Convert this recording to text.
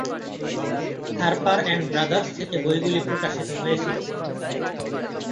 Harper and Brothers থেকে বইগুলি প্রকাশিত হয়েছিল।